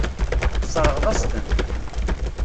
Tesseṛɣeḍ-as-ten.